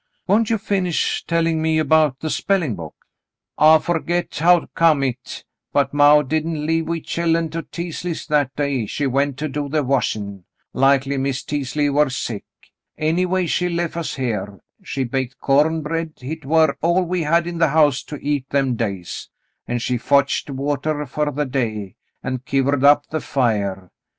''Won't you finish telling me about the spelling book ?" "I forget how come hit, but maw didn't leave wechillen to Teasleys' that day she went to do the washin'. Likely Miz Teasley war sick — anyway she lef us here. She baked corn bread — hit war all we had in the house to eat them days, an' she fotched water fer the day, an' kivered up the fire.